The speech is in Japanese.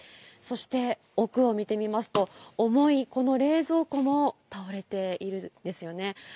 そして奥を見てみますと、重いこの冷蔵庫も倒れているんですよね。